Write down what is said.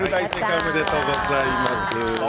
おめでとうございます。